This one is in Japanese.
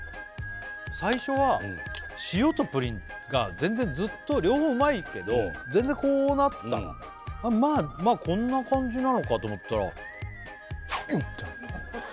最初は塩とプリンが全然ずっと両方うまいけど全然こうなってたのまあこんな感じなのかと思ったらああ